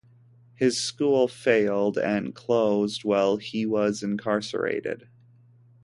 His school failed and closed while he was incarcerated.